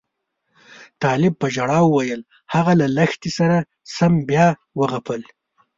طالب په ژړا وویل هغه له لښتې سره سم بیا وغپل.